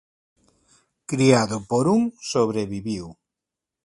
Criado por un sobreviviu.